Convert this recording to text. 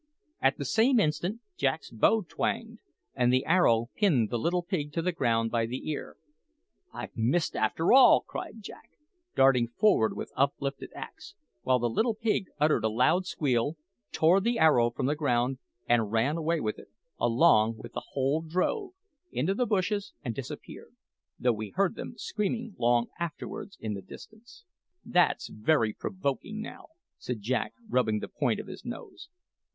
At the same instant Jack's bow twanged, and the arrow pinned the little pig to the ground by the ear. "I've missed, after all!" cried Jack, darting forward with uplifted axe; while the little pig uttered a loud squeal, tore the arrow from the ground, and ran away with it, along with the whole drove, into the bushes and disappeared, though we heard them screaming long afterwards in the distance. "That's very provoking, now," said Jack, rubbing the point of his nose.